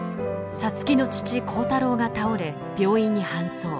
皐月の父耕太郎が倒れ病院に搬送。